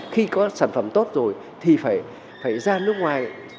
khi có sản phẩm tốt rồi thì phải ra nước ngoài